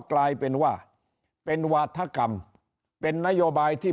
กลายเป็นว่าเป็นวาธกรรมเป็นนโยบายที่